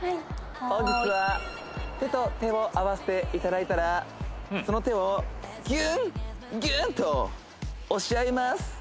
本日は手と手を合わせていただいたらその手をギュッギュッと押し合います